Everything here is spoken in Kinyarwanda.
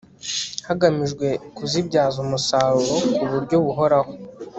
hagamijwe kuzibyaza umusaruro ku buryo buhoraho